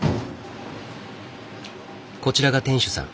こちらが店主さん。